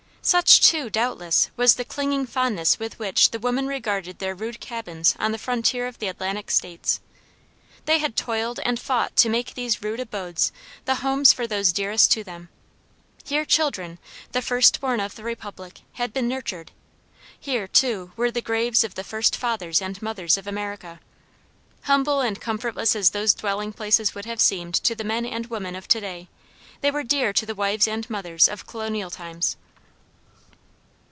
Such, too, doubtless, was the clinging fondness with which, the women regarded their rude cabins on the frontier of the Atlantic States. They had toiled and fought to make these rude abodes the homes for those dearest to them; here children, the first born of the Republic, had been nurtured; here, too, were the graves of the first fathers and mothers of America. Humble and comfortless as those dwelling places would have seemed to the men and women of to day, they were dear to the wives and mothers of colonial times.